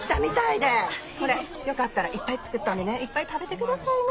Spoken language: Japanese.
これよかったらいっぱい作ったんでねいっぱい食べてくださいな。